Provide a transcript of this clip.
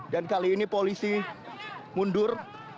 dan kali ini polisi mundur